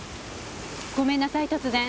ごめんなさい突然。